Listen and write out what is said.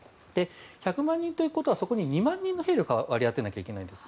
１００万人ということはそこに２万人の兵力を割り当てないといけないんです。